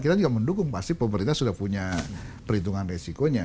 kita juga mendukung pasti pemerintah sudah punya perhitungan resikonya